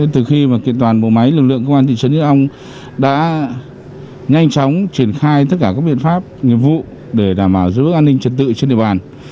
từ khi kiện toàn bộ máy lực lượng công an thị trấn ít âu đã nhanh chóng triển khai tất cả các biện pháp nhiệm vụ để đảm bảo giữ bức an ninh trật tự trên địa bàn